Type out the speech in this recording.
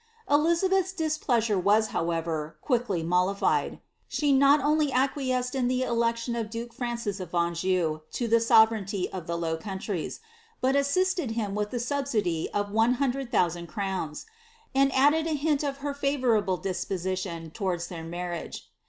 Dizabeth's displeasure was, however, quickly mollified. She not only acquiesced in the election of duke Francis of Anjou to the sove reignty of the Low Countries, but assisted him with the subsidy of one hundred thousand crowns ; and added a hint of her favourable disposi tjon towards their marriage.'